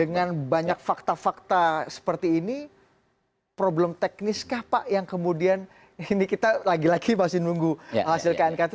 dengan banyak fakta fakta seperti ini problem teknis kah pak yang kemudian ini kita lagi lagi masih nunggu hasil knkt